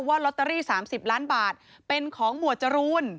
ลอตเตอรี่๓๐ล้านบาทเป็นของหมวดจรูน